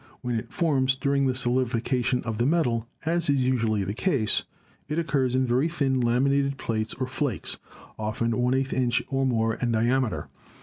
When it forms during the solidification of the metal, as is usually the case, it occurs in very thin laminated plates or flakes, often % inch or more in diameter.